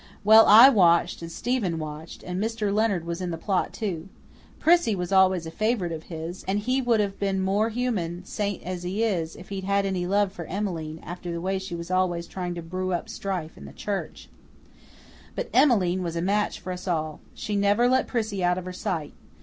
Well, I watched and Stephen watched, and Mr. Leonard was in the plot, too. Prissy was always a favourite of his, and he would have been more than human, saint as he is, if he'd had any love for Emmeline, after the way she was always trying to brew up strife in the church. But Emmeline was a match for us all. She never let Prissy out of her sight.